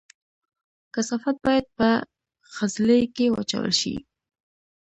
کثافات باید په خځلۍ کې واچول شي